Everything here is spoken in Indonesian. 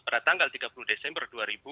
pada tanggal tiga puluh desember dua ribu dua puluh